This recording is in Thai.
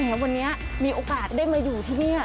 แล้ววันนี้มีโอกาสได้มาอยู่ที่นี่